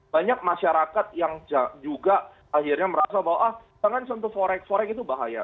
banyak masyarakat yang juga akhirnya merasa bahwa ah jangan sentuh forex forex itu bahaya